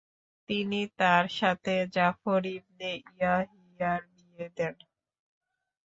তিনি তার সাথে জাফর ইবনে ইয়াহিয়ার বিয়ে দেন।